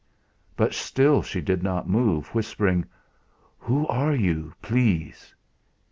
But still she did not move, whispering: "Who are you, please?"